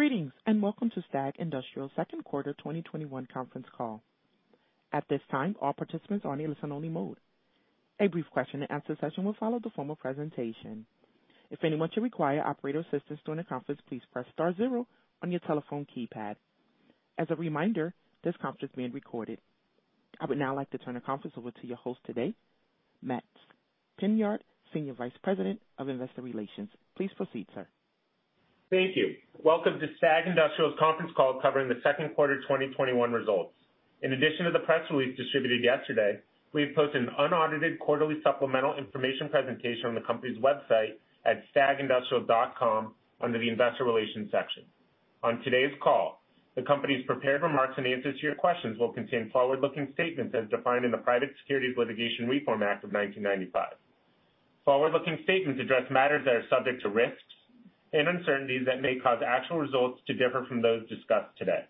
I would now like to turn the conference over to your host today, Matts Pinard, Senior Vice President of Investor Relations. Please proceed, sir. Thank you. Welcome to STAG Industrial's conference call covering the second quarter 2021 results. In addition to the press release distributed yesterday, we have posted an unaudited quarterly supplemental information presentation on the company's website at stagindustrial.com under the investor relations section. On today's call, the company's prepared remarks and answers to your questions will contain forward-looking statements as defined in the Private Securities Litigation Reform Act of 1995. Forward-looking statements address matters that are subject to risks and uncertainties that may cause actual results to differ from those discussed today.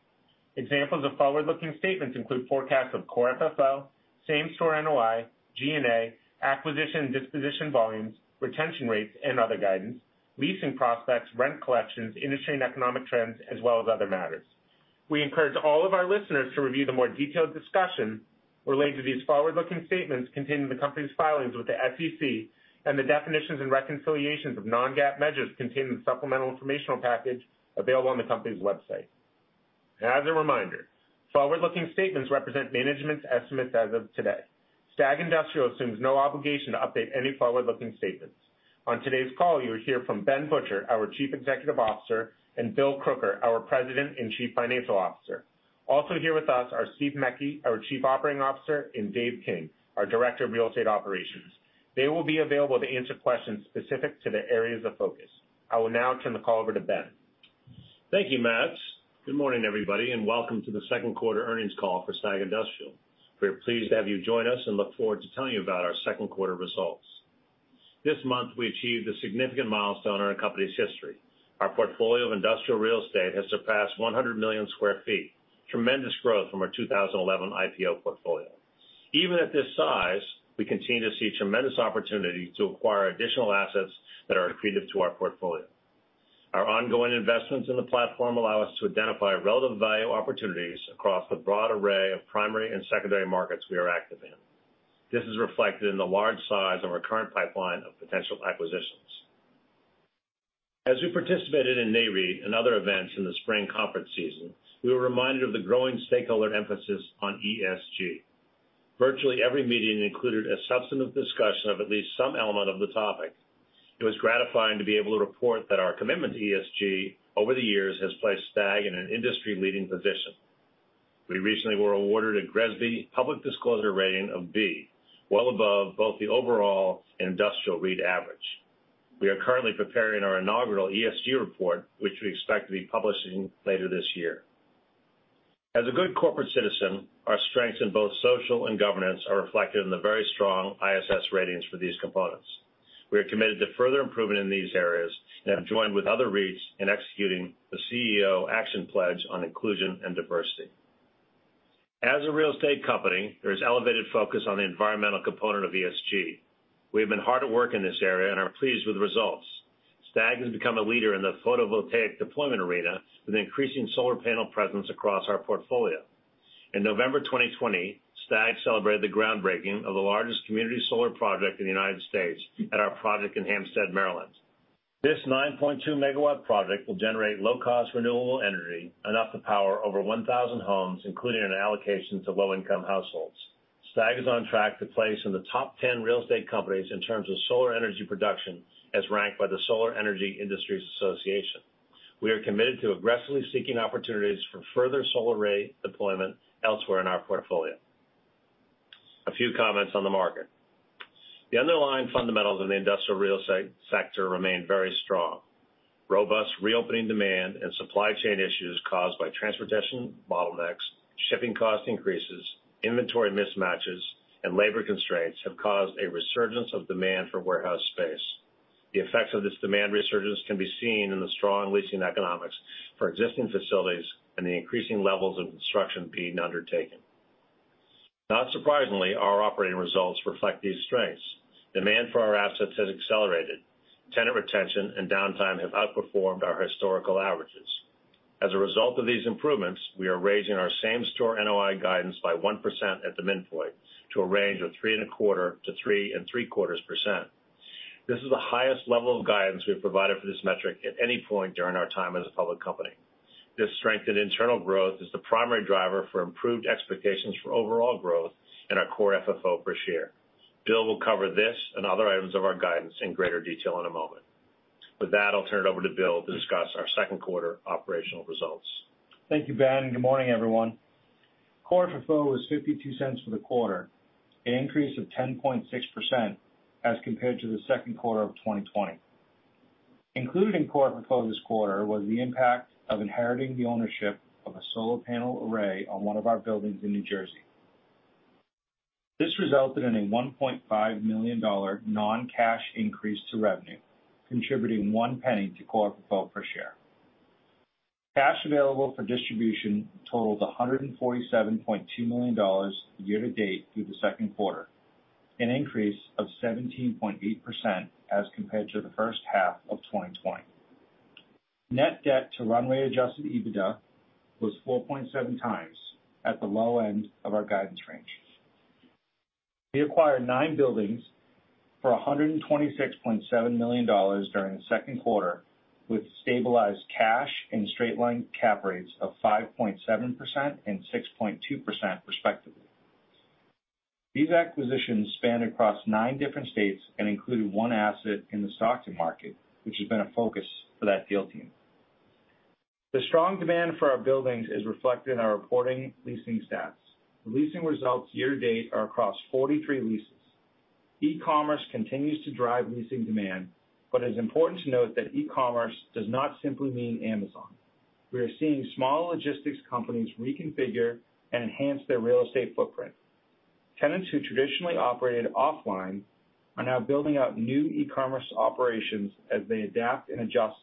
Examples of forward-looking statements include forecasts of Core FFO, Same-Store NOI, G&A, acquisition and disposition volumes, retention rates, and other guidance, leasing prospects, rent collections, industry and economic trends, as well as other matters. We encourage all of our listeners to review the more detailed discussion related to these forward-looking statements contained in the company's filings with the SEC and the definitions and reconciliations of non-GAAP measures contained in the supplemental informational package available on the company's website. As a reminder, forward-looking statements represent management's estimates as of today. STAG Industrial assumes no obligation to update any forward-looking statements. On today's call, you'll hear from Ben Butcher, our Chief Executive Officer, and Bill Crooker, our President and Chief Financial Officer. Also here with us are Stephen Mecke, our Chief Operating Officer, and David King, our Director of Real Estate Operations. They will be available to answer questions specific to their areas of focus. I will now turn the call over to Ben. Thank you, Matt. Good morning, everybody, and welcome to the second quarter earnings call for STAG Industrial. We are pleased to have you join us and look forward to telling you about our second quarter results. This month, we achieved a significant milestone in our company's history. Our portfolio of industrial real estate has surpassed 100 million square feet, tremendous growth from our 2011 IPO portfolio. Even at this size, we continue to see tremendous opportunity to acquire additional assets that are accretive to our portfolio. Our ongoing investments in the platform allow us to identify relative value opportunities across the broad array of primary and secondary markets we are active in. This is reflected in the large size of our current pipeline of potential acquisitions. As we participated in Nareit and other events in the spring conference season, we were reminded of the growing stakeholder emphasis on ESG. Virtually every meeting included a substantive discussion of at least some element of the topic. It was gratifying to be able to report that our commitment to ESG over the years has placed STAG in an industry leading position. We recently were awarded a GRESB public disclosure rating of B, well above both the overall industrial REIT average. We are currently preparing our inaugural ESG report, which we expect to be publishing later this year. As a good corporate citizen, our strengths in both social and governance are reflected in the very strong ISS ratings for these components. We are committed to further improvement in these areas and have joined with other REITs in executing the CEO Action for Diversity & Inclusion. As a real estate company, there is elevated focus on the environmental component of ESG. We have been hard at work in this area and are pleased with the results. STAG has become a leader in the photovoltaic deployment arena with increasing solar panel presence across our portfolio. In November 2020, STAG celebrated the groundbreaking of the largest community solar project in the U.S. at our project in Hampstead, Maryland. This 9.2 MW project will generate low cost renewable energy, enough to power over 1,000 homes, including an allocation to low income households. STAG is on track to place in the top 10 real estate companies in terms of solar energy production, as ranked by the Solar Energy Industries Association. We are committed to aggressively seeking opportunities for further solar array deployment elsewhere in our portfolio. A few comments on the market. The underlying fundamentals in the industrial real estate sector remain very strong. Robust reopening demand and supply chain issues caused by transportation bottlenecks, shipping cost increases, inventory mismatches, and labor constraints have caused a resurgence of demand for warehouse space. The effects of this demand resurgence can be seen in the strong leasing economics for existing facilities and the increasing levels of construction being undertaken. Not surprisingly, our operating results reflect these strengths. Demand for our assets has accelerated. Tenant retention and downtime have outperformed our historical averages. As a result of these improvements, we are raising our Same-Store NOI guidance by 1% at the midpoint to a range of 3.25% to 3.75%. This is the highest level of guidance we've provided for this metric at any point during our time as a public company. This strengthened internal growth is the primary driver for improved expectations for overall growth in our Core FFO per share. Bill will cover this and other items of our guidance in greater detail in a moment. With that, I'll turn it over to Bill to discuss our second quarter operational results. Thank you, Ben. Good morning, everyone. Core FFO was $0.52 for the quarter, an increase of 10.6% as compared to the second quarter of 2020. Included in Core FFO this quarter was the impact of inheriting the ownership of a solar panel array on one of our buildings in New Jersey. This resulted in a $1.5 million non-cash increase to revenue, contributing $0.01 to Core FFO per share. Cash available for distribution totaled $147.2 million year to date through the second quarter, an increase of 17.8% as compared to the first half of 2020. Net debt to run rate adjusted EBITDA was 4.7 times at the low end of our guidance range. We acquired 9 buildings for $126.7 million during the second quarter, with stabilized cash and straight line cap rates of 5.7% and 6.2%, respectively. These acquisitions span across 9 different states and included 1 asset in the Stockton market, which has been a focus for that deal team. The strong demand for our buildings is reflected in our reporting leasing stats. The leasing results year to date are across 43 leases. E-commerce continues to drive leasing demand, but it is important to note that e-commerce does not simply mean Amazon. We are seeing small logistics companies reconfigure and enhance their real estate footprint. Tenants who traditionally operated offline are now building out new e-commerce operations as they adapt and adjust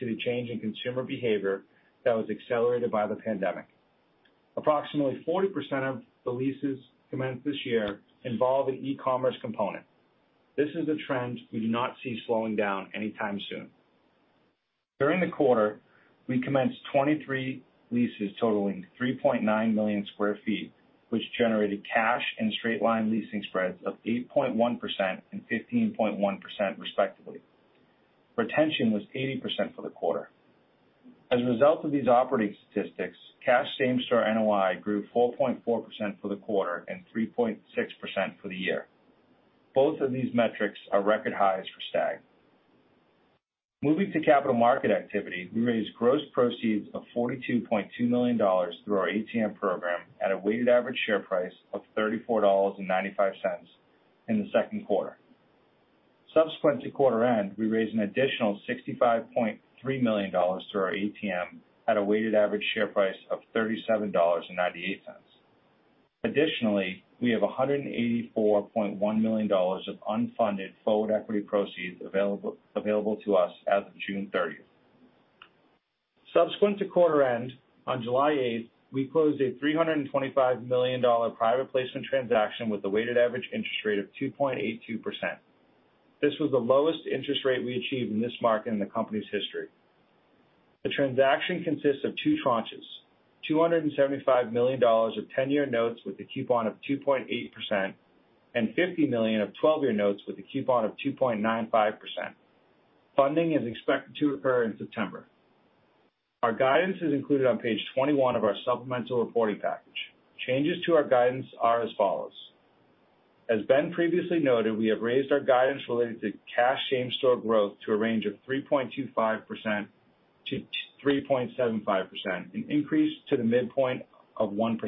to the change in consumer behavior that was accelerated by the pandemic. Approximately 40% of the leases commenced this year involve an e-commerce component. This is a trend we do not see slowing down anytime soon. During the quarter, we commenced 23 leases totaling 3.9 million sq ft, which generated cash and straight line leasing spreads of 8.1% and 15.1%, respectively. Retention was 80% for the quarter. As a result of these operating statistics, cash Same-Store NOI grew 4.4% for the quarter and 3.6% for the year. Both of these metrics are record highs for STAG. Moving to capital market activity, we raised gross proceeds of $42.2 million through our ATM program at a weighted average share price of $34.95 in the second quarter. Subsequent to quarter end, we raised an additional $65.3 million through our ATM at a weighted average share price of $37.98. We have $184.1 million of unfunded forward equity proceeds available to us as of June 30th. Subsequent to quarter end, on July 8th, we closed a $325 million private placement transaction with a weighted average interest rate of 2.82%. This was the lowest interest rate we achieved in this market in the company's history. The transaction consists of 2 tranches, $275 million of 10-year notes with a coupon of 2.8% and $50 million of 12-year notes with a coupon of 2.95%. Funding is expected to occur in September. Our guidance is included on page 21 of our supplemental reporting package. Changes to our guidance are as follows. As Ben previously noted, we have raised our guidance related to cash Same-Store growth to a range of 3.25%-3.75%, an increase to the midpoint of 1%.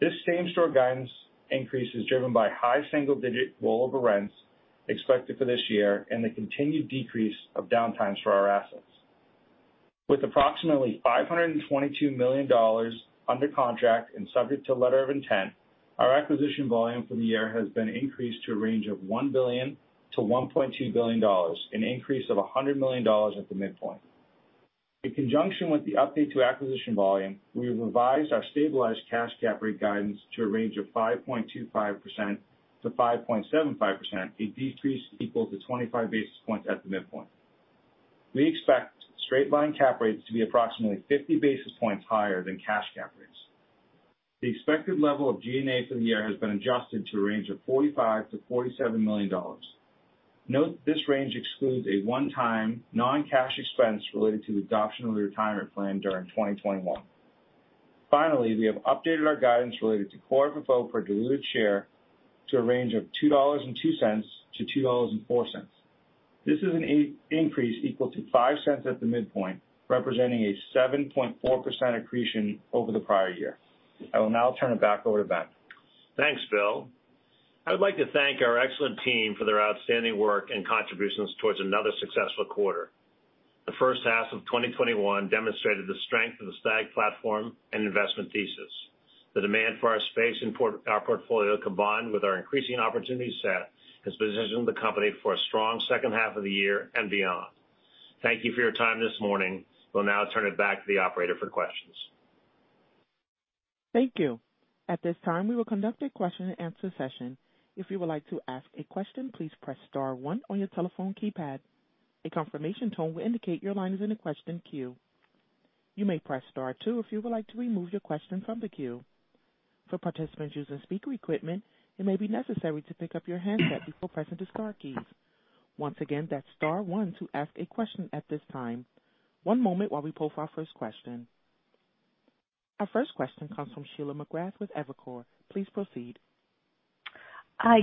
This Same-Store guidance increase is driven by high single-digit rollover rents expected for this year and the continued decrease of downtimes for our assets. With approximately $522 million under contract and subject to letter of intent, our acquisition volume for the year has been increased to a range of $1 billion-$1.2 billion, an increase of $100 million at the midpoint. In conjunction with the update to acquisition volume, we have revised our stabilized cash cap rate guidance to a range of 5.25%-5.75%, a decrease equal to 25 basis points at the midpoint. We expect straight line cap rates to be approximately 50 basis points higher than cash cap rates. The expected level of G&A for the year has been adjusted to a range of $45 million-$47 million. Note this range excludes a one-time non-cash expense related to the adoption of the retirement plan during 2021. Finally, we have updated our guidance related to Core FFO per diluted share to a range of $2.02-$2.04. This is an increase equal to $0.05 at the midpoint, representing a 7.4% accretion over the prior year. I will now turn it back over to Ben. Thanks, William Crooker. I would like to thank our excellent team for their outstanding work and contributions towards another successful quarter. The first half of 2021 demonstrated the strength of the STAG platform and investment thesis. The demand for our space and our portfolio, combined with our increasing opportunity set, has positioned the company for a strong second half of the year and beyond. Thank you for your time this morning. We'll now turn it back to the operator for questions. Thank you. Our first question comes from Sheila McGrath with Evercore. Please proceed.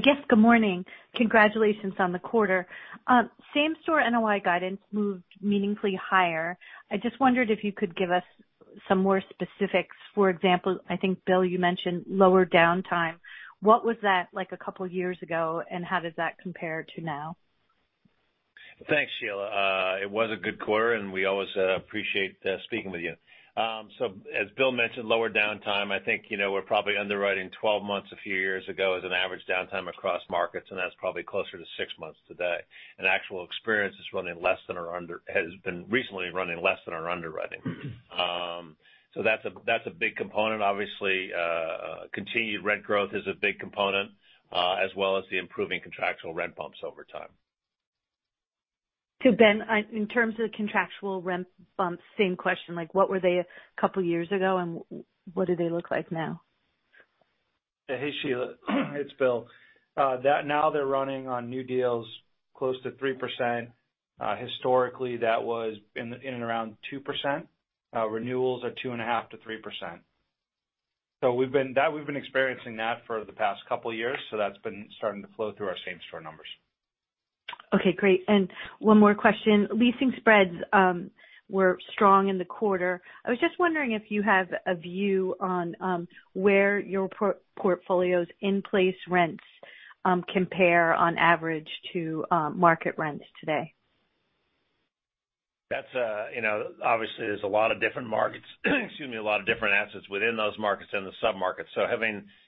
Yes, good morning. Congratulations on the quarter. Same-Store NOI guidance moved meaningfully higher. I just wondered if you could give us some more specifics. For example, I think, Bill, you mentioned lower downtime. What was that like a couple of years ago, and how does that compare to now? Thanks, Sheila. It was a good quarter, and we always appreciate speaking with you. As Bill mentioned, lower downtime. I think we're probably underwriting 12 months a few years ago as an average downtime across markets, and that's probably closer to 6 months today. Actual experience has been recently running less than our underwriting. That's a big component. Obviously, continued rent growth is a big component, as well as the improving contractual rent bumps over time. To Ben, in terms of contractual rent bumps, same question. What were they a couple of years ago, and what do they look like now? Hey, Sheila, it's Bill. They're running on new deals close to 3%. Historically, that was in and around 2%. Renewals are 2.5%-3%. We've been experiencing that for the past couple of years. That's been starting to flow through our Same-Store numbers. Okay, great. One more question. Leasing spreads were strong in the quarter. I was just wondering if you have a view on where your portfolio's in-place rents compare on average to market rents today? Obviously, there's a lot of different markets, excuse me, a lot of different assets within those markets and the sub-markets.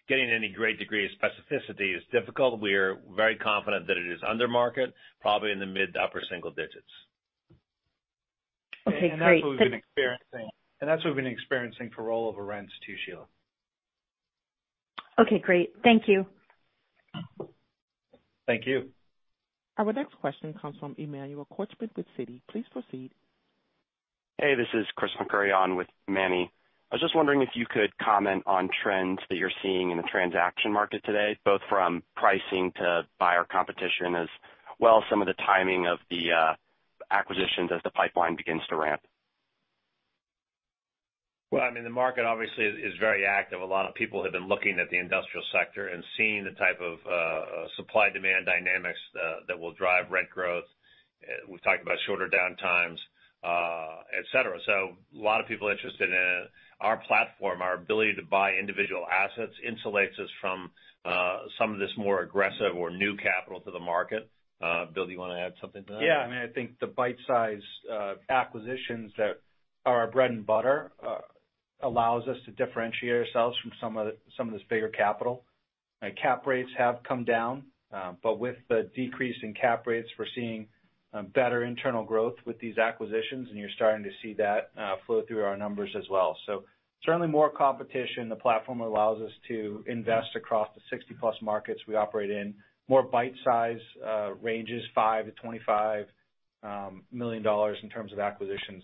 Getting any great degree of specificity is difficult. We're very confident that it is under market, probably in the mid to upper single digits. Okay, great. That's what we've been experiencing for rollover rents too, Sheila. Okay, great. Thank you. Thank you. Our next question comes from Michael Bilerman with Citi. Please proceed. Hey, this is Chris McCurry on with Manny. I was just wondering if you could comment on trends that you're seeing in the transaction market today, both from pricing to buyer competition, as well as some of the timing of the acquisitions as the pipeline begins to ramp. Well, the market obviously is very active. A lot of people have been looking at the industrial sector and seeing the type of supply-demand dynamics that will drive rent growth. We've talked about shorter downtimes, et cetera. A lot of people are interested in our platform. Our ability to buy individual assets insulates us from some of this more aggressive or new capital to the market. Bill, do you want to add something to that? I think the bite-size acquisitions that are our bread and butter allows us to differentiate ourselves from some of this bigger capital. cap rates have come down, but with the decrease in cap rates, we're seeing better internal growth with these acquisitions, and you're starting to see that flow through our numbers as well. Certainly more competition. The platform allows us to invest across the 60-plus markets we operate in. More bite-size ranges, $5 million-$25 million in terms of acquisitions.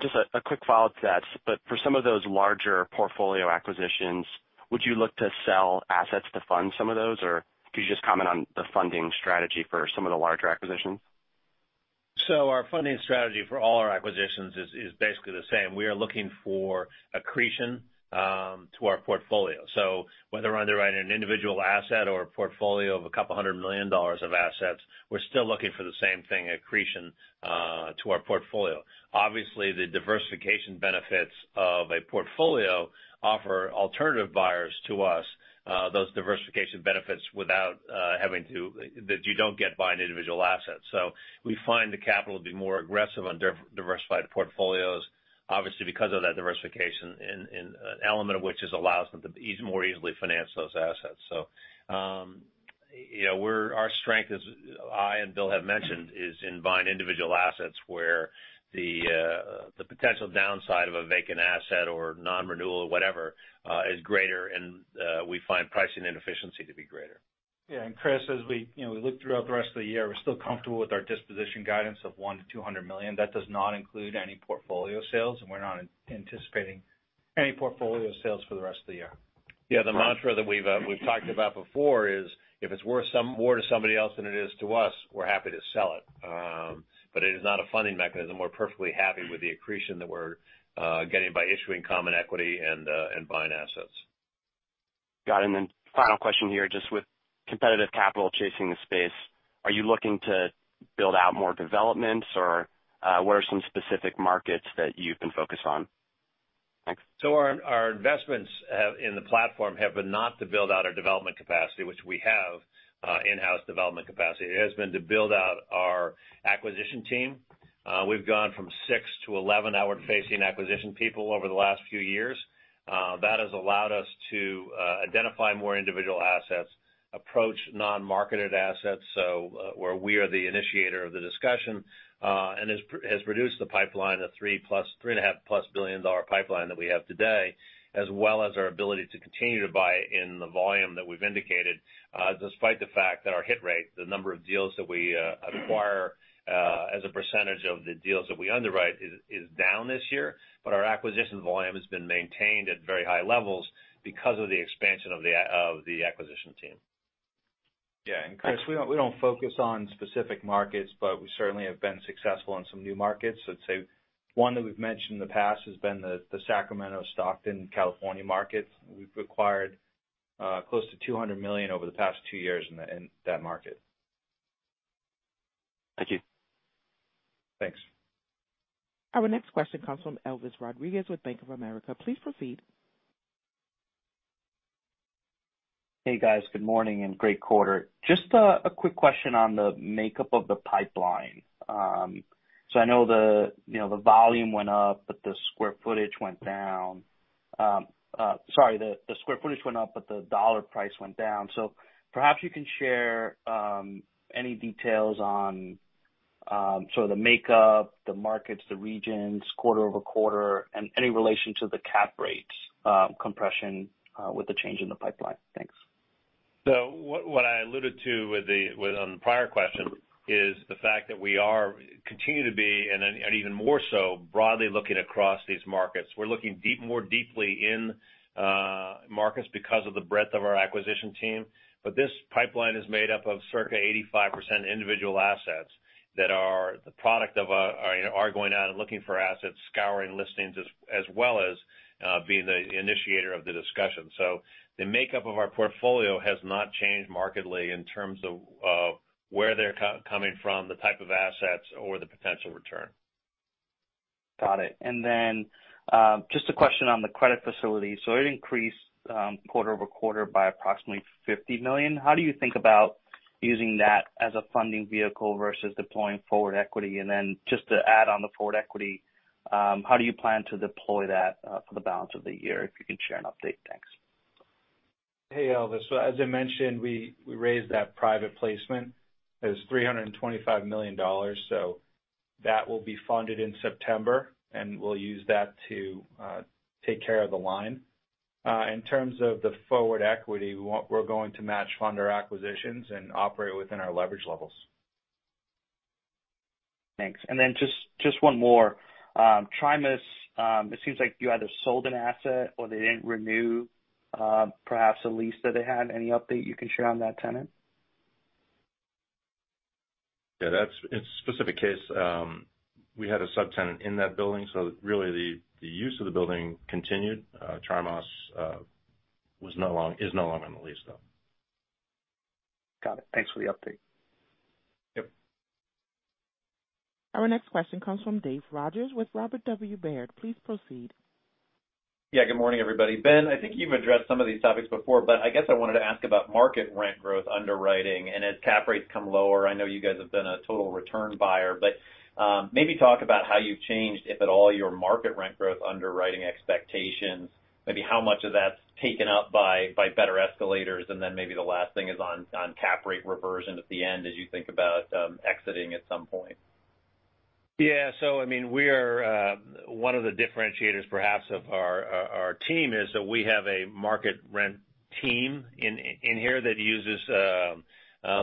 Just a quick follow-up to that. For some of those larger portfolio acquisitions, would you look to sell assets to fund some of those, or could you just comment on the funding strategy for some of the larger acquisitions? Our funding strategy for all our acquisitions is basically the same. We are looking for accretion to our portfolio. Whether underwriting an individual asset or a portfolio of a couple hundred million dollars of assets, we're still looking for the same thing, accretion to our portfolio. Obviously, the diversification benefits of a portfolio offer alternative buyers to us, those diversification benefits that you don't get buying individual assets. We find the capital to be more aggressive on diversified portfolios, obviously, because of that diversification, an element of which just allows them to more easily finance those assets. Our strength, as I and William Crooker have mentioned, is in buying individual assets where the potential downside of a vacant asset or non-renewal, whatever, is greater and we find pricing inefficiency to be greater. Yeah. Chris, as we look throughout the rest of the year, we're still comfortable with our disposition guidance of $1 million to $200 million. That does not include any portfolio sales, and we're not anticipating any portfolio sales for the rest of the year. Yeah. The mantra that we've talked about before is if it's worth more to somebody else than it is to us, we're happy to sell it. It is not a funding mechanism. We're perfectly happy with the accretion that we're getting by issuing common equity and buying assets. Got it. Final question here, just with competitive capital chasing the space, are you looking to build out more developments, or what are some specific markets that you've been focused on? Thanks. Our investments in the platform have been not to build out our development capacity, which we have in-house development capacity. It has been to build out our acquisition team. We've gone from six to 11 outward-facing acquisition people over the last few years. That has allowed us to identify more individual assets, approach non-marketed assets, where we are the initiator of the discussion, and has reduced the pipeline of three and a half plus billion-dollar pipeline that we have today, as well as our ability to continue to buy in the volume that we've indicated, despite the fact that our hit rate, the number of deals that we acquire as a % of the deals that we underwrite, is down this year. Our acquisition volume has been maintained at very high levels because of the expansion of the acquisition team. Yeah. Chris, we don't focus on specific markets, but we certainly have been successful in some new markets. I'd say one that we've mentioned in the past has been the Sacramento-Stockton, California markets. We've acquired close to $200 million over the past 2 years in that market. Thank you. Thanks. Our next question comes from Elvis Rodriguez with Bank of America. Please proceed. Hey guys, good morning and great quarter. Just a quick question on the makeup of the pipeline. I know the volume went up, but the square footage went down. Sorry, the square footage went up, but the dollar price went down. Perhaps you can share any details on sort of the makeup, the markets, the regions, quarter-over-quarter, and any relation to the cap rates compression with the change in the pipeline. Thanks. What I alluded to on the prior question is the fact that we continue to be, and even more so, broadly looking across these markets. We're looking more deeply in markets because of the breadth of our acquisition team. This pipeline is made up of circa 85% individual assets that are the product of our going out and looking for assets, scouring listings, as well as being the initiator of the discussion. The makeup of our portfolio has not changed markedly in terms of where they're coming from, the type of assets or the potential return. Got it. Just a question on the credit facility. It increased quarter-over-quarter by approximately $50 million. How do you think about using that as a funding vehicle versus deploying forward equity? Just to add on the forward equity, how do you plan to deploy that for the balance of the year, if you can share an update? Thanks. Hey, Elvis. As I mentioned, we raised that private placement. It was $325 million. That will be funded in September, and we'll use that to take care of the line. In terms of the forward equity, we're going to match fund our acquisitions and operate within our leverage levels. Thanks. Just one more. Trimont, it seems like you either sold an asset or they didn't renew perhaps a lease that they had. Any update you can share on that tenant? Yeah, that's a specific case. We had a subtenant in that building, so really the use of the building continued. Trimont is no longer on the lease, though. Got it. Thanks for the update. Our next question comes from Dave Rodgers with Robert W. Baird. Please proceed. Good morning, everybody. Ben, I think you've addressed some of these topics before, but I guess I wanted to ask about market rent growth underwriting. As cap rates come lower, I know you guys have been a total return buyer, but maybe talk about how you've changed, if at all, your market rent growth underwriting expectations. Maybe how much of that's taken up by better escalators, and then maybe the last thing is on cap rate reversion at the end as you think about exiting at some point. Yeah. One of the differentiators, perhaps, of our team is that we have a market rent team in here that uses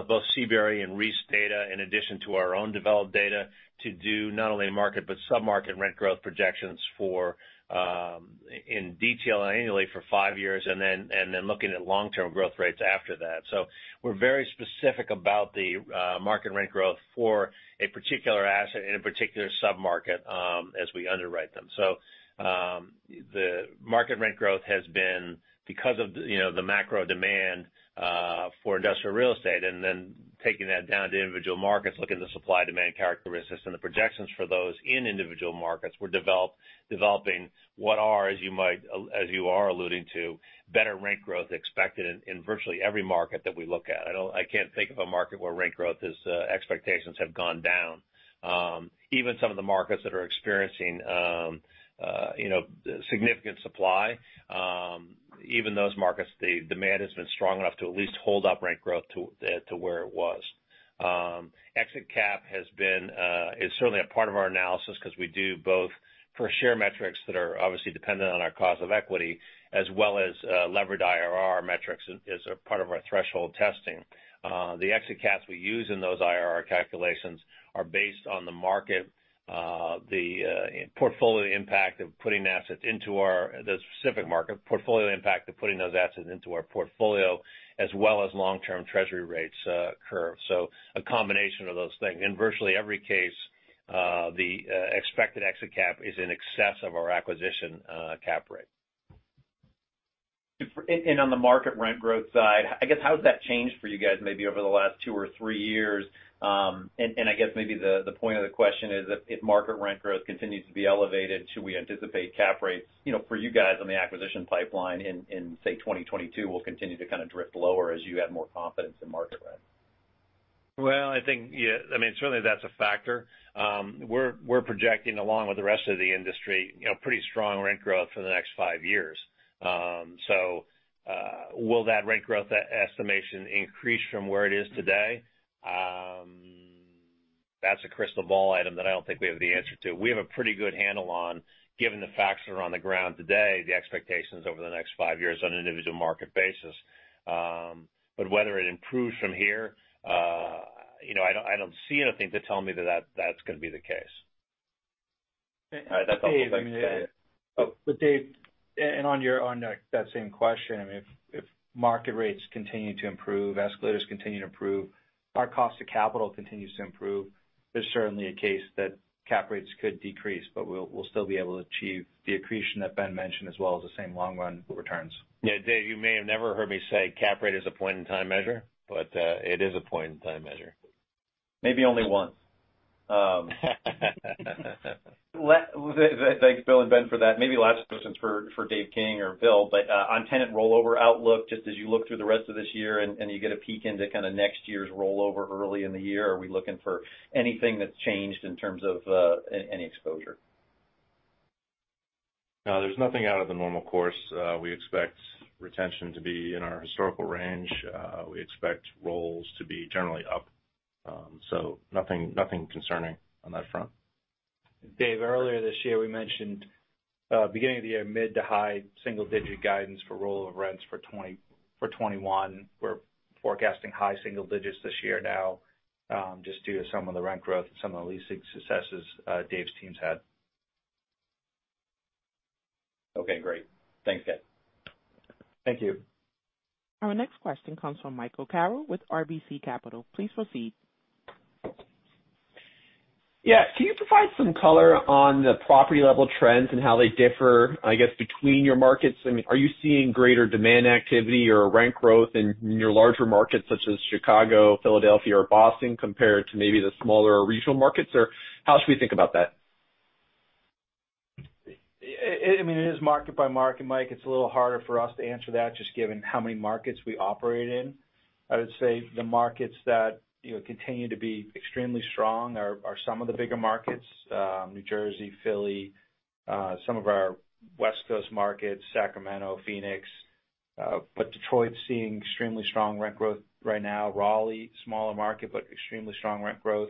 both CBRE and Reis data in addition to our own developed data to do not only market but sub-market rent growth projections in detail annually for 5 years, and then looking at long-term growth rates after that. We're very specific about the market rent growth for a particular asset in a particular sub-market as we underwrite them. The market rent growth has been because of the macro demand for industrial real estate, and then taking that down to individual markets, looking at the supply demand characteristics and the projections for those in individual markets, we're developing what are, as you are alluding to, better rent growth expected in virtually every market that we look at. I can't think of a market where rent growth expectations have gone down. Even some of the markets that are experiencing significant supply, even those markets, the demand has been strong enough to at least hold up rent growth to where it was. Exit cap is certainly a part of our analysis because we do both per share metrics that are obviously dependent on our cost of equity as well as leveraged IRR metrics as a part of our threshold testing. The exit caps we use in those IRR calculations are based on the market, the portfolio impact of putting assets into the specific market, portfolio impact of putting those assets into our portfolio, as well as long-term Treasury rates curve. A combination of those things. In virtually every case, the expected exit cap is in excess of our acquisition cap rate. On the market rent growth side, I guess how has that changed for you guys maybe over the last 2 or 3 years? I guess maybe the point of the question is if market rent growth continues to be elevated, should we anticipate cap rates, for you guys on the acquisition pipeline in, say, 2022, will continue to kind of drift lower as you have more confidence in market rent? Well, I think certainly that's a factor. We're projecting, along with the rest of the industry, pretty strong rent growth for the next five years. Will that rent growth estimation increase from where it is today? That's a crystal ball item that I don't think we have the answer to. We have a pretty good handle on, given the facts that are on the ground today, the expectations over the next five years on an individual market basis. Whether it improves from here, I don't see anything to tell me that that's going to be the case. That's all I have to say. Dave, and on that same question, if market rates continue to improve, escalators continue to improve, our cost of capital continues to improve, there's certainly a case that cap rates could decrease, but we'll still be able to achieve the accretion that Ben mentioned as well as the same long run returns. Yeah, Dave, you may have never heard me say cap rate is a point-in-time measure, but it is a point-in-time measure. Maybe only once. Thanks, Bill and Ben, for that. Maybe last question for David King or Bill, but on tenant rollover outlook, just as you look through the rest of this year and you get a peek into kind of next year's rollover early in the year, are we looking for anything that's changed in terms of any exposure? There's nothing out of the normal course. We expect retention to be in our historical range. We expect rolls to be generally up. Nothing concerning on that front. Dave, earlier this year, we mentioned, beginning of the year, mid to high single-digit guidance for roll of rents for 2021. We're forecasting high single digits this year now, just due to some of the rent growth and some of the leasing successes Dave's team's had. Okay, great. Thanks, Dave. Thank you. Our next question comes from Michael Carroll with RBC Capital. Please proceed. Yeah. Can you provide some color on the property-level trends and how they differ, I guess, between your markets? I mean, are you seeing greater demand activity or rent growth in your larger markets such as Chicago, Philadelphia, or Boston compared to maybe the smaller regional markets? How should we think about that? It is market by market, Michael. It's a little harder for us to answer that just given how many markets we operate in. I would say the markets that continue to be extremely strong are some of the bigger markets, New Jersey, Philly, some of our West Coast markets, Sacramento, Phoenix. Detroit's seeing extremely strong rent growth right now. Raleigh, smaller market, but extremely strong rent growth.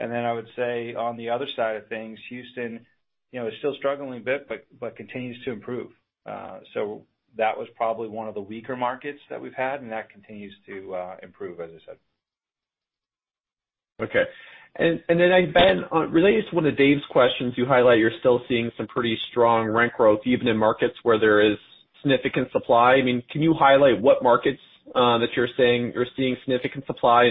I would say on the other side of things, Houston is still struggling a bit, but continues to improve. That was probably 1 of the weaker markets that we've had, and that continues to improve, as I said. Okay. Ben, related to one of Dave's questions, you highlight you're still seeing some pretty strong rent growth even in markets where there is significant supply. Can you highlight what markets that you're seeing significant supply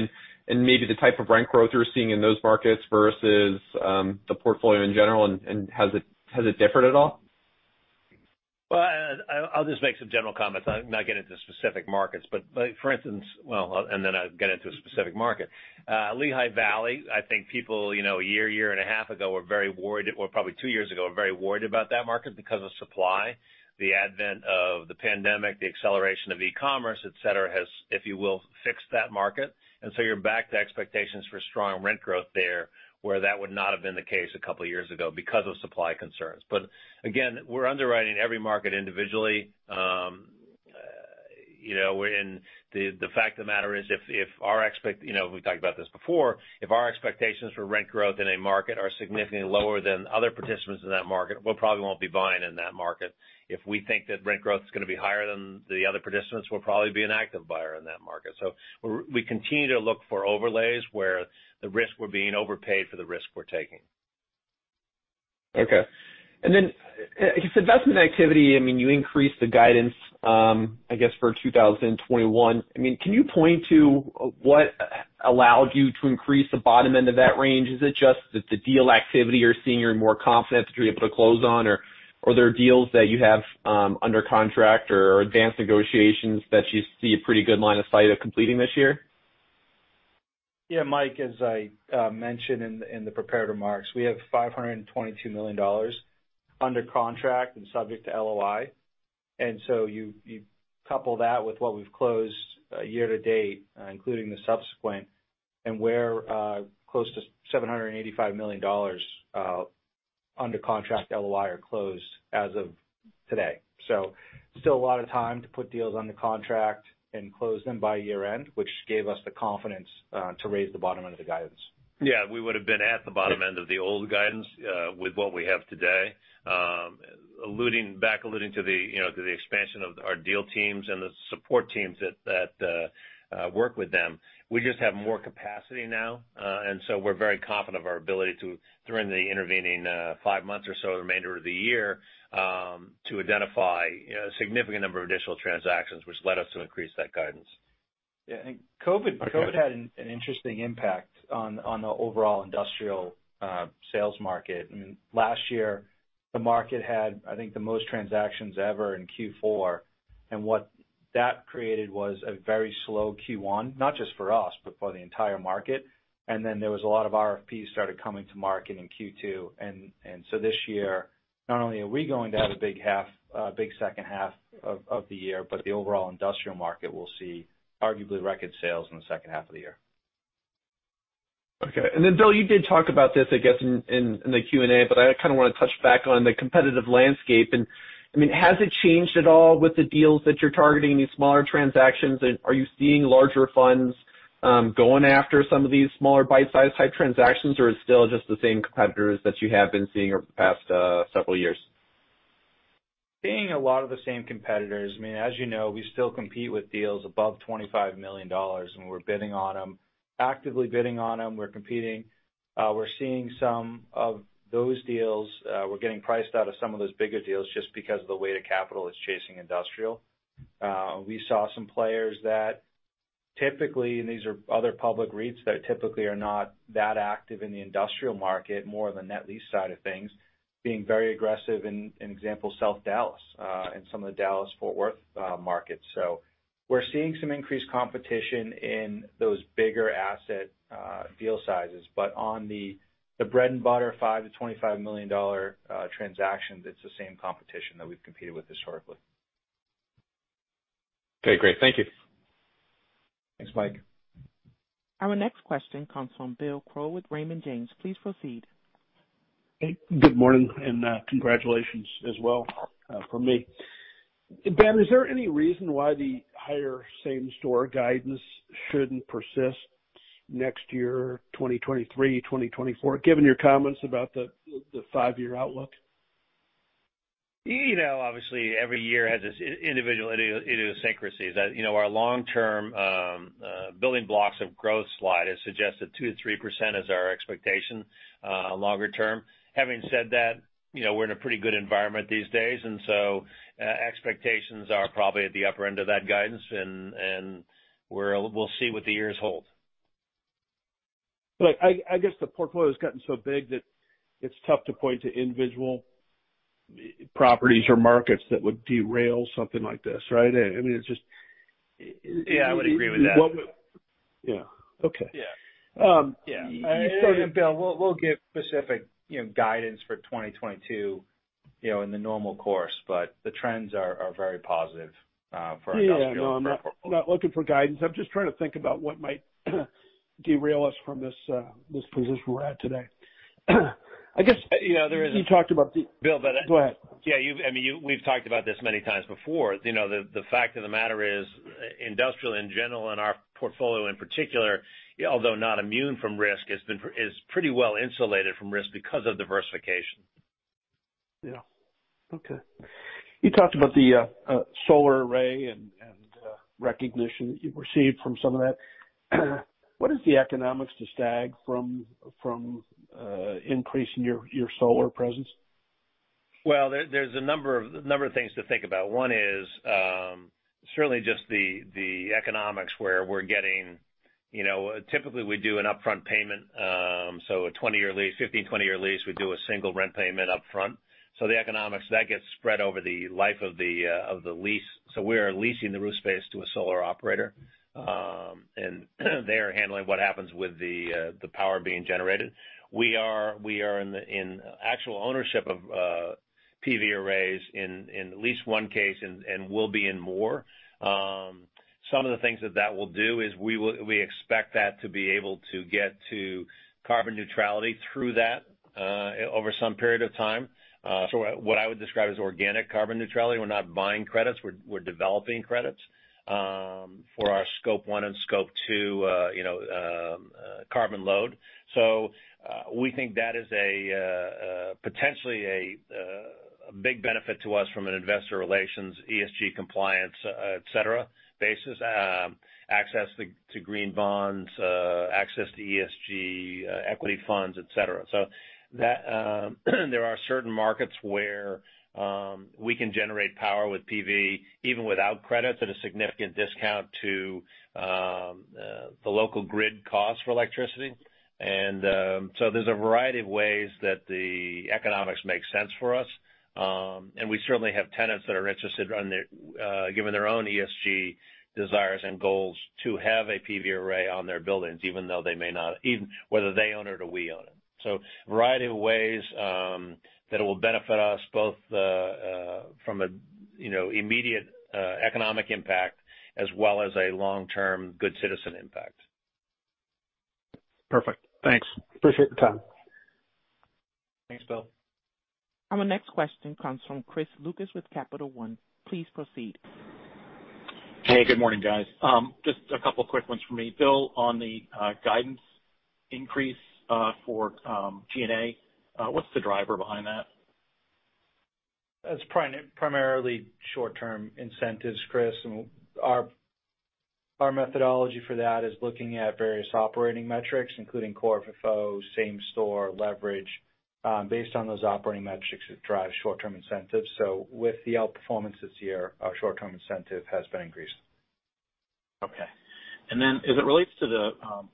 and maybe the type of rent growth you're seeing in those markets versus the portfolio in general, and has it differed at all? Well, I'll just make some general comments. I'll not get into specific markets. Well, I'll get into a specific market. Lehigh Valley, I think people a year and a half ago were very worried, or probably 2 years ago, were very worried about that market because of supply. The advent of the pandemic, the acceleration of e-commerce, et cetera, has, if you will, fixed that market. You're back to expectations for strong rent growth there, where that would not have been the case a couple of years ago because of supply concerns. Again, we're underwriting every market individually. The fact of the matter is, we've talked about this before, if our expectations for rent growth in a market are significantly lower than other participants in that market, we probably won't be buying in that market. If we think that rent growth is going to be higher than the other participants, we'll probably be an active buyer in that market. We continue to look for overlays where the risk we're being overpaid for the risk we're taking. Okay. Investment activity, you increased the guidance, I guess for 2021. Can you point to what allowed you to increase the bottom end of that range? Is it just that the deal activity you're seeing, you're more confident that you're able to close on, or are there deals that you have under contract or advanced negotiations that you see a pretty good line of sight of completing this year? Yeah, Mike, as I mentioned in the prepared remarks, we have $522 million under contract and subject to LOI. You couple that with what we've closed year to date, including the subsequent, and we're close to $785 million under contract LOI or closed as of today. Still a lot of time to put deals under contract and close them by year-end, which gave us the confidence to raise the bottom end of the guidance. Yeah, we would've been at the bottom end of the old guidance with what we have today. Back alluding to the expansion of our deal teams and the support teams that work with them. We just have more capacity now. We're very confident of our ability to, during the intervening five months or so, the remainder of the year, to identify a significant number of additional transactions, which led us to increase that guidance. Yeah. COVID had an interesting impact on the overall industrial sales market. Last year, the market had, I think, the most transactions ever in Q4. What that created was a very slow Q1, not just for us, but for the entire market. Then there was a lot of RFPs started coming to market in Q2. This year, not only are we going to have a big second half of the year, but the overall industrial market will see arguably record sales in the second half of the year. Okay. Bill, you did talk about this, I guess, in the Q&A, but I kind of want to touch back on the competitive landscape. Has it changed at all with the deals that you're targeting, these smaller transactions? Are you seeing larger funds going after some of these smaller bite-size type transactions, or it's still just the same competitors that you have been seeing over the past several years? Seeing a lot of the same competitors. As you know, we still compete with deals above $25 million, and we're bidding on them, actively bidding on them. We're competing. We're seeing some of those deals. We're getting priced out of some of those bigger deals just because of the weight of capital that's chasing industrial. We saw some players that typically, and these are other public REITs that typically are not that active in the industrial market, more on the net lease side of things. Being very aggressive in, example, South Dallas and some of the Dallas-Fort Worth markets. We're seeing some increased competition in those bigger asset deal sizes. On the bread-and-butter $5 million-$25 million transactions, it's the same competition that we've competed with historically. Okay, great. Thank you. Thanks, Mike. Our next question comes from Bill Crow with Raymond James. Please proceed. Hey, good morning, and congratulations as well from me. Ben, is there any reason why the higher same-store guidance shouldn't persist next year, 2023, 2024, given your comments about the five-year outlook? Obviously, every year has its individual idiosyncrasies that our long-term building blocks of growth slide has suggested 2%-3% as our expectation longer term. Having said that, we're in a pretty good environment these days. Expectations are probably at the upper end of that guidance, and we'll see what the years hold. I guess the portfolio's gotten so big that it's tough to point to individual properties or markets that would derail something like this, right? Yeah, I would agree with that. Yeah. Okay. Yeah. Yeah. Bill, we'll give specific guidance for 2022 in the normal course, but the trends are very positive for industrial-. Yeah. No, I'm not looking for guidance. I'm just trying to think about what might derail us from this position we're at today. There is- You talked about the- Bill, Go ahead. Yeah. We've talked about this many times before. The fact of the matter is industrial in general, and our portfolio in particular, although not immune from risk, is pretty well insulated from risk because of diversification. Yeah. Okay. You talked about the solar array and recognition that you've received from some of that. What is the economics to STAG from increasing your solar presence? Well, there's a number of things to think about. One is certainly just the economics. Typically we do an upfront payment, so a 20-year lease, 15, 20-year lease, we do a single rent payment upfront. The economics, that gets spread over the life of the lease. We are leasing the roof space to a solar operator. They are handling what happens with the power being generated. We are in actual ownership of PV arrays in at least one case, and will be in more. Some of the things that will do is we expect that to be able to get to carbon neutrality through that over some period of time. What I would describe as organic carbon neutrality, we're not buying credits, we're developing credits for our Scope 1 and Scope 2 carbon load. We think that is potentially a big benefit to us from an investor relations, ESG compliance, et cetera, basis. Access to green bonds, access to ESG equity funds, et cetera. There are certain markets where we can generate power with PV, even without credits at a significant discount to the local grid cost for electricity. There's a variety of ways that the economics make sense for us. We certainly have tenants that are interested, given their own ESG desires and goals, to have a PV array on their buildings, even whether they own it or we own it. A variety of ways that it will benefit us both from an immediate economic impact as well as a long-term good citizen impact. Perfect. Thanks. Appreciate the time. Thanks, Bill. Our next question comes from Chris Lucas with Capital One. Please proceed. Hey, good morning, guys. Just a couple quick ones from me. Bill, on the guidance increase for G&A, what's the driver behind that? It's primarily short-term incentives, Chris, and our methodology for that is looking at various operating metrics, including Core FFO, Same-Store leverage. Based on those operating metrics, it drives short-term incentives. With the outperformance this year, our short-term incentive has been increased. Okay. As it relates to the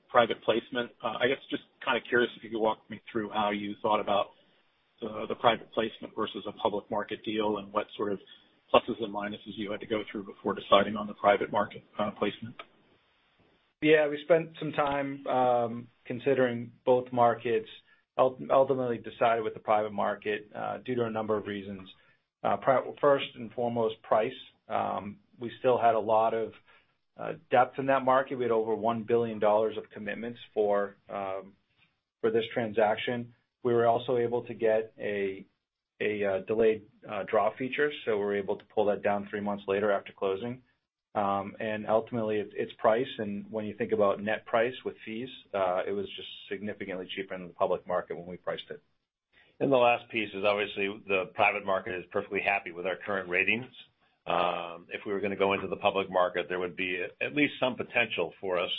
private placement, I guess just kind of curious if you could walk me through how you thought about the private placement versus a public market deal and what sort of pluses and minuses you had to go through before deciding on the private market placement. Yeah, we spent some time considering both markets. Ultimately decided with the private market due to a number of reasons. First and foremost, price. We still had a lot of depth in that market. We had over $1 billion of commitments for this transaction. We were also able to get a delayed draw feature, so we're able to pull that down three months later after closing. Ultimately, it's price, and when you think about net price with fees, it was just significantly cheaper than the public market when we priced it. The last piece is obviously the private market is perfectly happy with our current ratings. If we were going to go into the public market, there would be at least some potential for us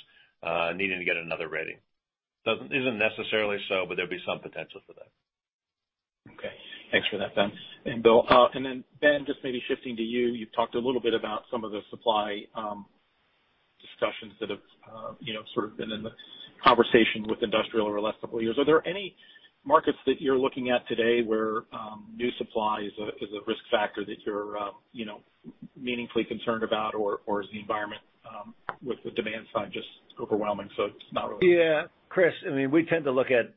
needing to get another rating. Isn't necessarily so, but there'd be some potential for that. Okay. Thanks for that, Ben and Bill. Ben, just maybe shifting to you've talked a little bit about some of the supply discussions that have sort of been in the conversation with industrial over the last couple of years. Are there any markets that you're looking at today where new supply is a risk factor that you're meaningfully concerned about? Or is the environment with the demand side just overwhelming, so it's not really- Yeah, Chris, we tend to look at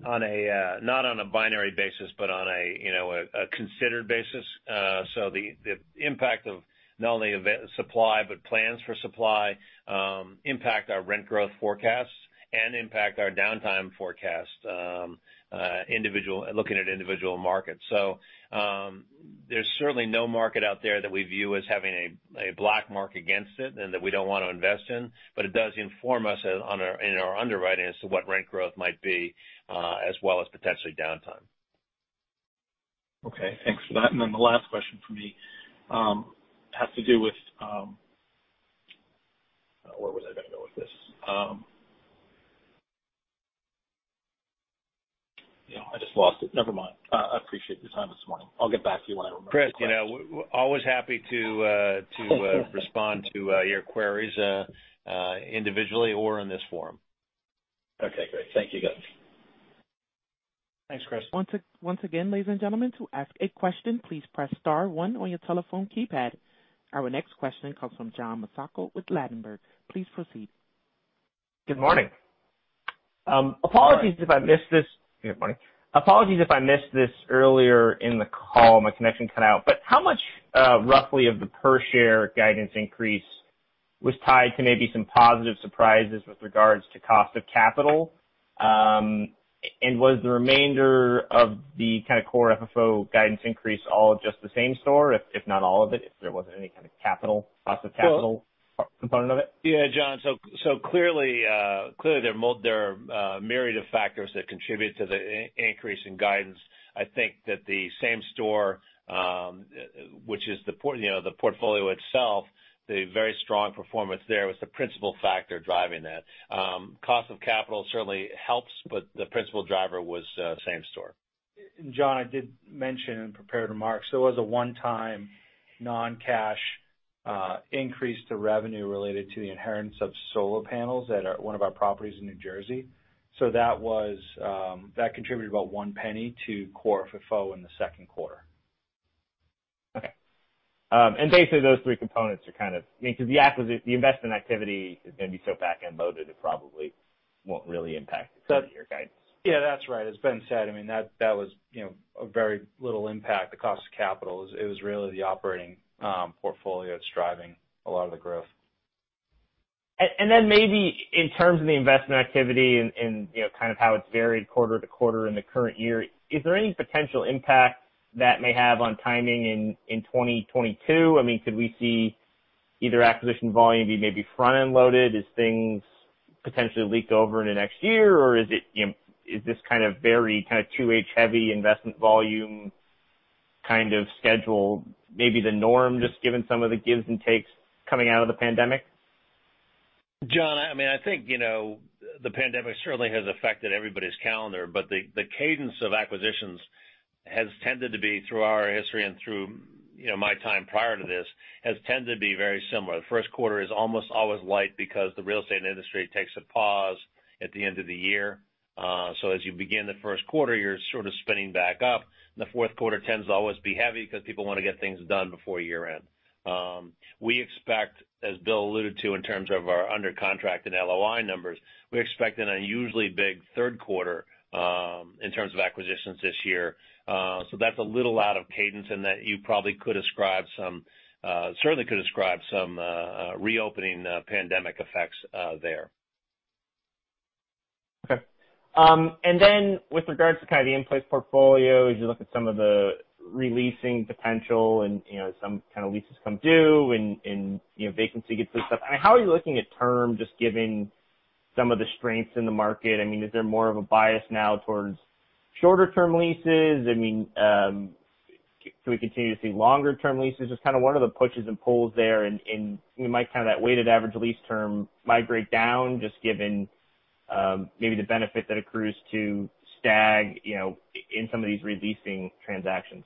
not on a binary basis, but on a considered basis. The impact of not only the supply, but plans for supply impact our rent growth forecasts and impact our downtime forecast, looking at individual markets. There's certainly no market out there that we view as having a black mark against it and that we don't want to invest in, but it does inform us in our underwriting as to what rent growth might be as well as potentially downtime. Okay, thanks for that. The last question from me has to do with Where was I going to go with this? I just lost it. Never mind. I appreciate the time this morning. I'll get back to you when I remember. Chris, always happy to respond to your queries individually or in this forum. Okay, great. Thank you, guys. Thanks, Chris. Once again, ladies and gentlemen, to ask a question, please press star 1 on your telephone keypad. Our next question comes from John Massocca with Ladenburg. Please proceed. Good morning. Apologies if I missed this earlier in the call. My connection cut out. How much roughly of the per share guidance increase was tied to maybe some positive surprises with regards to cost of capital? Was the remainder of the kind of Core FFO guidance increase all just the same store, if not all of it, if there wasn't any kind of cost of capital component of it? Yeah, John. Clearly, there are a myriad of factors that contribute to the increase in guidance. I think that the Same-Store, which is the portfolio itself, the very strong performance there was the principal factor driving that. Cost of capital certainly helps, the principal driver was Same-Store. John, I did mention in prepared remarks, there was a one-time non-cash increase to revenue related to the inheritance of solar panels at one of our properties in New Jersey. That contributed about $0.01 to Core FFO in the second quarter. Okay. Basically, those three components are kind of because the investment activity is going to be so back-end loaded, it probably won't really impact full-year guidance. Yeah, that's right. As Ben said, that was a very little impact. The cost of capital, it was really the operating portfolio that's driving a lot of the growth. Maybe in terms of the investment activity and kind of how it's varied quarter to quarter in the current year, is there any potential impact that may have on timing in 2022? Could we see either acquisition volume be maybe front-end loaded as things potentially leak over into next year? Is this kind of very 2H heavy investment volume kind of schedule maybe the norm, just given some of the gives and takes coming out of the pandemic? John, I think the pandemic certainly has affected everybody's calendar, but the cadence of acquisitions has tended to be, through our history and through my time prior to this, has tended to be very similar. The first quarter is almost always light because the real estate industry takes a pause at the end of the year. As you begin the first quarter, you're sort of spinning back up. The fourth quarter tends to always be heavy because people want to get things done before year-end. We expect, as Bill alluded to in terms of our under contract and LOI numbers, we expect an unusually big third quarter in terms of acquisitions this year. That's a little out of cadence in that you certainly could ascribe some reopening pandemic effects there. Okay. With regards to kind of the in-place portfolio, as you look at some of the re-leasing potential and some leases come due and vacancy gets this stuff, how are you looking at term, just given some of the strengths in the market? Is there more of a bias now towards shorter-term leases? Do we continue to see longer-term leases? What are the pushes and pulls there in that weighted average lease term migrate down given maybe the benefit that accrues to STAG in some of these re-leasing transactions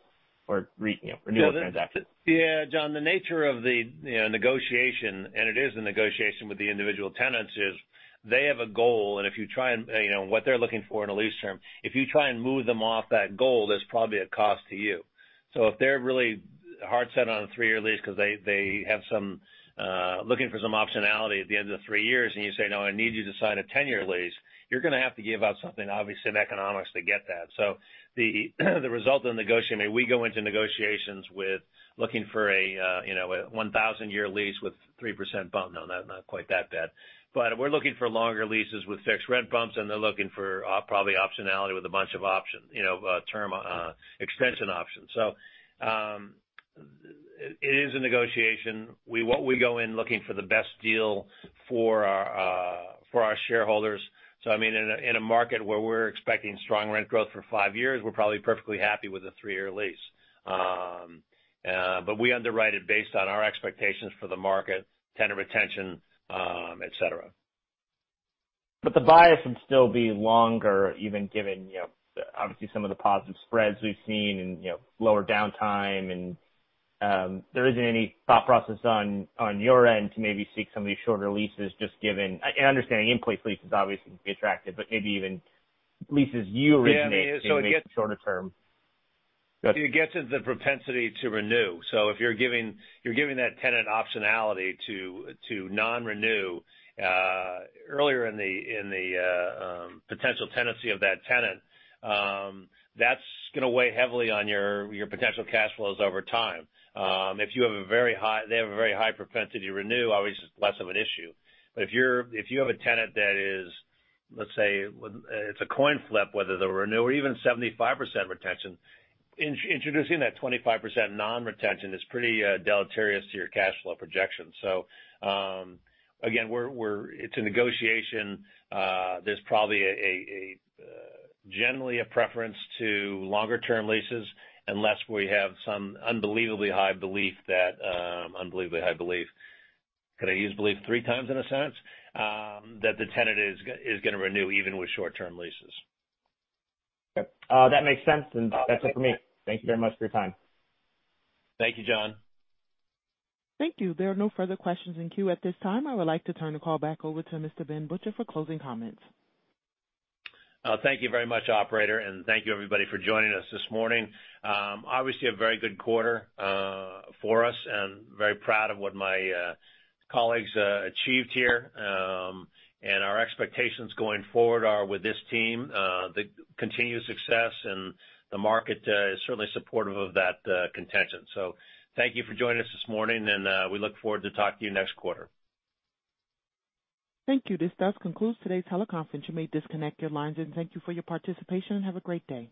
or renewal transactions? Yeah, John, the nature of the negotiation, and it is a negotiation with the individual tenants, is they have a goal, and what they're looking for in a lease term. If you try and move them off that goal, there's probably a cost to you. If they're really hard set on a 3-year lease because they have looking for some optionality at the end of the 3 years, and you say, "No, I need you to sign a 10-year lease," you're going to have to give out something obviously in economics to get that. The result of the negotiation, we go into negotiations with looking for a 1,000-year lease with 3% bump. No, not quite that bad. We're looking for longer leases with fixed rent bumps, and they're looking for probably optionality with a bunch of term extension options. It is a negotiation. We go in looking for the best deal for our shareholders. In a market where we're expecting strong rent growth for five years, we're probably perfectly happy with a three-year lease. We underwrite it based on our expectations for the market, tenant retention, et cetera. The bias would still be longer, even given obviously some of the positive spreads we've seen and lower downtime. There isn't any thought process on your end to maybe seek some of these shorter leases? I understand in-place lease is obviously attractive, but maybe even leases you originate? Yeah, I mean, so. Maybe make them shorter term. It gets to the propensity to renew. If you're giving that tenant optionality to non-renew earlier in the potential tenancy of that tenant, that's going to weigh heavily on your potential cash flows over time. If they have a very high propensity to renew, obviously it's less of an issue. If you have a tenant that is, let's say, it's a coin flip, whether they'll renew or even 75% retention, introducing that 25% non-retention is pretty deleterious to your cash flow projections. Again, it's a negotiation. There's probably generally a preference to longer term leases unless we have some unbelievably high belief that the tenant is going to renew even with short-term leases. Can I use belief three times in a sentence? Yep. That makes sense, and that's it for me. Thank you very much for your time. Thank you, John. Thank you. There are no further questions in queue at this time. I would like to turn the call back over to Mr. Benjamin Butcher for closing comments. Thank you very much, operator, and thank you everybody for joining us this morning. Obviously a very good quarter for us and very proud of what my colleagues achieved here. Our expectations going forward are with this team, the continued success, and the market is certainly supportive of that contention. Thank you for joining us this morning, and we look forward to talking to you next quarter. Thank you. This does conclude today's teleconference. You may disconnect your lines, and thank you for your participation, and have a great day.